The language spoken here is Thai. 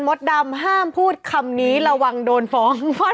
เป็นการกระตุ้นการไหลเวียนของเลือด